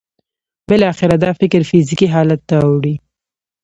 بالاخره دا فکر فزیکي حالت ته اوړي